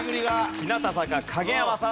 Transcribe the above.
日向坂影山さん。